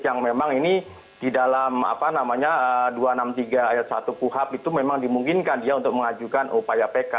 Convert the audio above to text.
yang memang ini di dalam dua ratus enam puluh tiga ayat satu kuhap itu memang dimungkinkan dia untuk mengajukan upaya pk